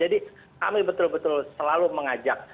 jadi kami betul betul selalu mengajak